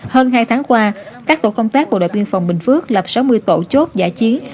hơn hai tháng qua các tổ công tác bộ đội biên phòng bình phước lập sáu mươi tổ chốt giả chiến